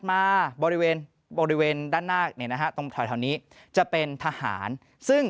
มาบริเวณบริเวณด้านหน้าเนี่ยนะฮะตรงแถวนี้จะเป็นทหารซึ่ง